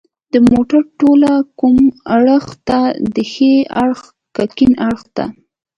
د موټر توله کوم اړخ ته ده ښي اړخ که کیڼ اړخ ته